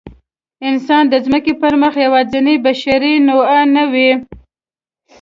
انسان د ځمکې پر مخ یواځینۍ بشري نوعه نه وه.